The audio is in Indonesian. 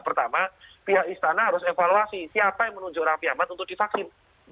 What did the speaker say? pertama pihak istana harus evaluasi siapa yang menunjuk raffi ahmad untuk divaksin